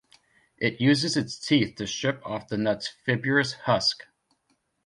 It uses its teeth to strip off the nut's fibrous husk.